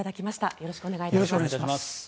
よろしくお願いします。